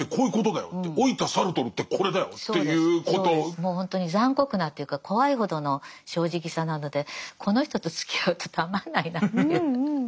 もうほんとに残酷なというか怖いほどの正直さなのでこの人とつきあうとたまんないなという。